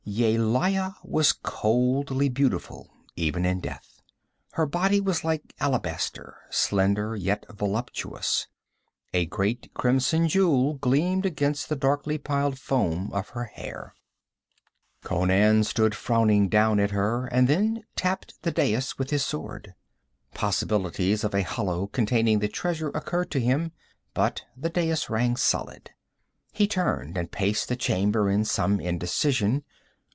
Yelaya was coldly beautiful, even in death. Her body was like alabaster, slender yet voluptuous; a great crimson jewel gleamed against the darkly piled foam of her hair. Conan stood frowning down at her, and then tapped the dais with his sword. Possibilities of a hollow containing the treasure occurred to him, but the dais rang solid. He turned and paced the chamber in some indecision.